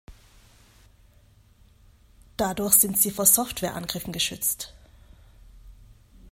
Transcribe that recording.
Dadurch sind sie vor Software-Angriffen geschützt.